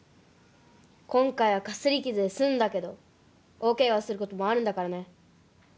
こんかいはかすりきずですんだけど大ケガをすることもあるんだからね。